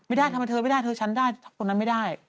ไม่ได้ทำไมเธอไม่ได้เธอชั้นได้คนนั้นไม่ได้